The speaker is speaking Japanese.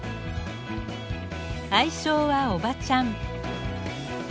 愛称は「おばちゃん」。